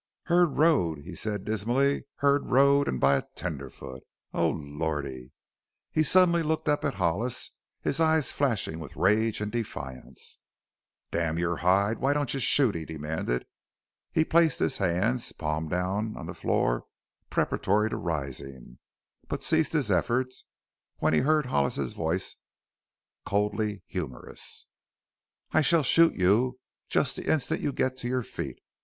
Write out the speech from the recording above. "Herd rode!" he said dismally. "Herd rode, an' by a tenderfoot! Oh, Lordy!" He suddenly looked up at Hollis, his eyes flashing with rage and defiance. "Damn your hide, why don't you shoot?" he demanded. He placed his hands, palm down, on the floor, preparatory to rising, but ceased his efforts when he heard Hollis's voice, coldly humorous: "I shall shoot you just the instant you get to your feet.